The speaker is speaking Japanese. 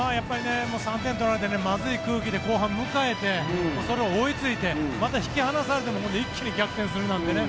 ３点取られてまずい空気で後半を迎えてそれに追いついてまた引き離されても一気に逆転するなんてね。